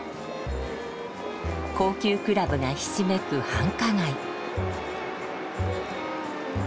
高級クラブがひしめく繁華街。